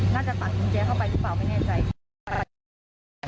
น่าจะตัดจริงเจ้าเข้าไปหรือเปล่าไม่แน่ใจ